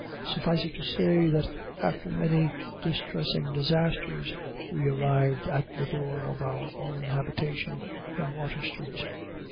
Suffice it to say, that, after many distressing disasters, we arrived at the door of our own habitation in Water street.